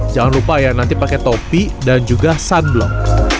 jangan lupa ya nanti pakai topi dan juga sunblock